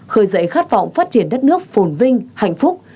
khởi dậy khát vọng phát triển đất nước phồn vinh hạnh phúc